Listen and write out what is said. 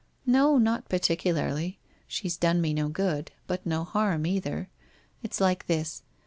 'No, not particularly. She's done me no good. But no harm either. It's like this.